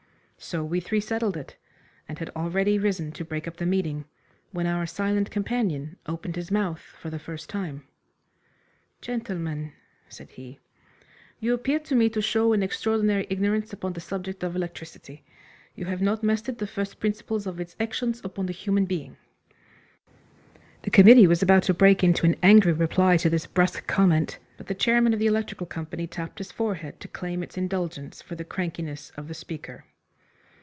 So we three settled it, and had already risen to break up the meeting, when our silent companion opened his month for the first time. "Gentlemen," said he, "you appear to me to show an extraordinary ignorance upon the subject of electricity. You have not mastered the first principles of its actions upon a human being." The committee was about to break into an angry reply to this brusque comment, but the chairman of the Electrical Company tapped his forehead to claim its indulgence for the crankiness of the speaker.